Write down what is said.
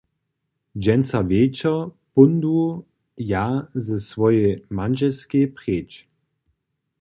Dźensa wječor póńdu ja ze swojej mandźelskej preč.